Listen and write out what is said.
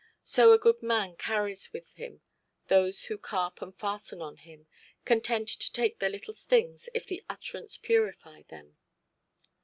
So a good man carries with him those who carp and fasten on him; content to take their little stings, if the utterance purify them.